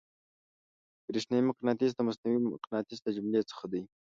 برېښنايي مقناطیس د مصنوعي مقناطیس له جملې څخه دی.